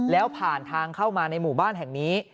แล้วผ่านทางเข้ามาในหมู่บ้านแห่งนี้